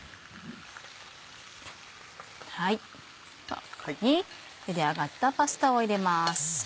ここにゆで上がったパスタを入れます。